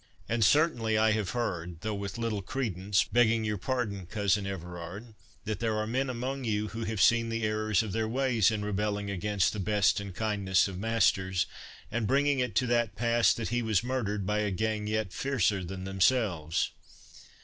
And certainly I have heard, though with little credence (begging your pardon, cousin. Everard,) that there are men among you who have seen the error of their ways in rebelling against the best and kindest of masters, and bringing it to that pass that he was murdered by a gang yet fiercer than themselves.